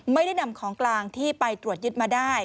ไม่ได้นำของกลางที่ไปตรวจยึดมาได้